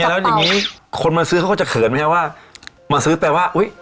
แล้วอย่างนี้คนมาซื้อเขาก็จะเขินไหมครับว่ามาซื้อแปลว่าอุ้ย